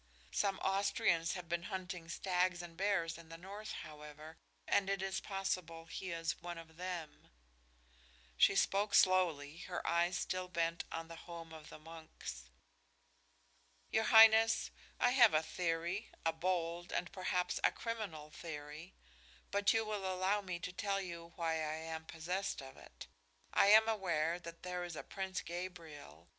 Some Austrians had been hunting stags and bears in the north, however, and it is possible he is one of them." She spoke slowly, her eyes still bent on the home of the monks. "Your highness, I have a theory, a bold and perhaps a criminal theory, but you will allow me to tell you why I am possessed of it. I am aware that there is a Prince Gabriel.